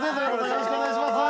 よろしくお願いします